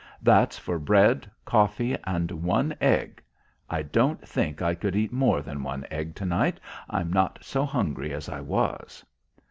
"That's for bread, coffee, and one egg. I don't think I could eat more than one egg to night. I'm not so hungry as I was."